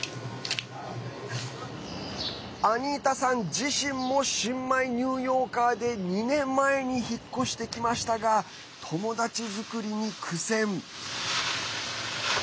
アニータさん自身も新米ニューヨーカーで２年前に引っ越してきましたが友達作りに苦戦。